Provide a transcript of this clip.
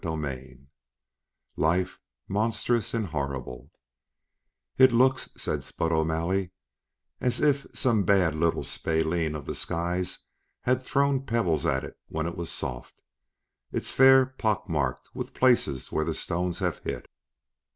CHAPTER IV Life Monstrous and Horrible "It looks," said Spud O'Malley, "as if some bad little spalpeen of the skies had thrown pebbles at it when 'twas soft. It's fair pockmarked with places where the stones have hit."